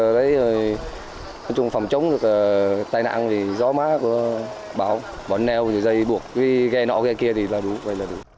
rồi phòng chống được tai nạn thì gió má bó neo dây buộc ghe nọ ghe kia thì là đúng